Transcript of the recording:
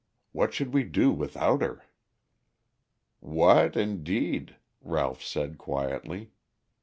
What should we do without her?" "What, indeed?" Ralph said quietly.